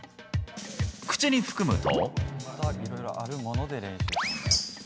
口に含むと。